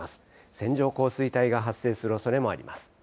線状降水帯が発生するおそれもあります。